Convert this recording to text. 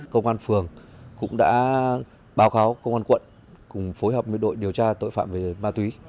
công an phường cũng đã báo kháo công an quận cùng phối hợp với đội điều tra tội phạm về ma túy